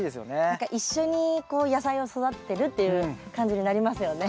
何か一緒にこう野菜を育ててるっていう感じになりますよね。